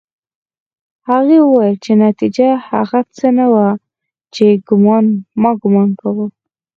هغې وویل چې نتيجه هغه څه نه وه چې ما ګومان کاوه